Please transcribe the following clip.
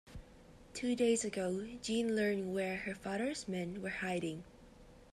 Two days ago Jeanne learned where her father's men were hiding.